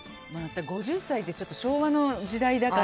５０歳って昭和の時代だから。